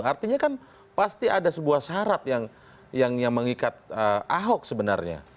artinya kan pasti ada sebuah syarat yang mengikat ahok sebenarnya